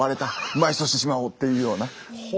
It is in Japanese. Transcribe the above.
埋葬してしまおうっていうような。